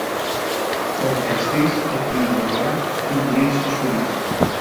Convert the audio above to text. Ο δικαστής εκείνη την ώρα είχε γυρίσει στο σπίτι του